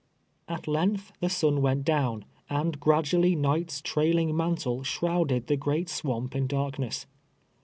At length the sun went down, and gradually night's trailing mantle shrouded the great swamp in dark ness.